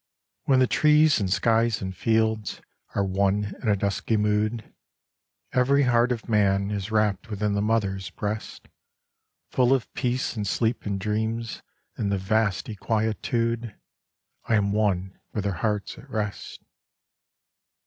When the trees and skies and fields are one in dusky mood, Every heart of man is rapt within the mother's breast : Full of peace and sleep and dreams in the vasty quietude, I am one with their hearts at rest.